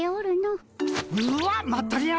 うわっまったり屋。